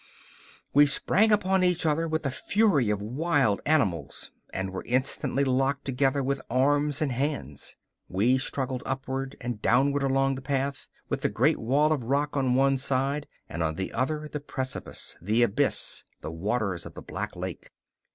We sprang upon each other with the fury of wild animals, and were instantly locked together with arms and hands. We struggled upward and downward along the path, with the great wall of rock on one side, and on the other the precipice, the abyss, the waters of the Black Lake!